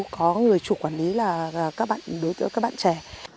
có người chủ quản lý là các bạn đối tượng các bạn trẻ